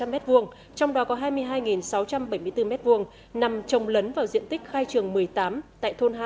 hai mươi hai sáu trăm bảy mươi bốn m hai nằm trồng lấn vào diện tích khai trường một mươi tám tại thôn hai